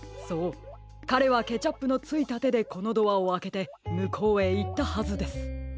そうかれはケチャップのついたてでこのドアをあけてむこうへいったはずです。